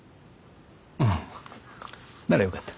うんならよかった。